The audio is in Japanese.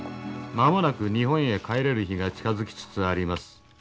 「間もなく日本へ帰れる日が近づきつつあります。